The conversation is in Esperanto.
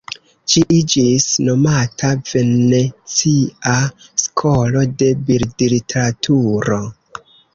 Ĝi iĝis nomata "venecia skolo de bildliteraturo".